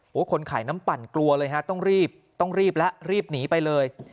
คนขายน้ำปั่นกลัวเลยฮะต้องรีบต้องรีบแล้วรีบหนีไปเลย